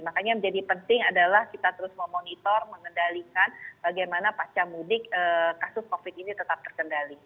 makanya menjadi penting adalah kita terus memonitor mengendalikan bagaimana pasca mudik kasus covid ini tetap terkendali